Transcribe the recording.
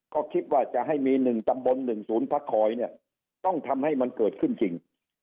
ก็คิดว่าจะให้มี๑ตำบล๑ศูนย์พักคอยเนี่ยต้องทำให้มันเกิดขึ้นจริง